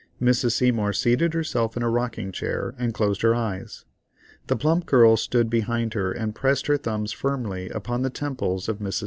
Mrs. Seymour seated herself in a rocking chair and closed her eyes; the plump girl stood behind her and pressed her thumbs firmly upon the temples of Mrs. S.